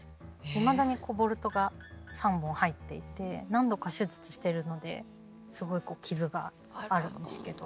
いまだにボルトが３本入っていて何度か手術してるのですごいこう傷があるんですけど。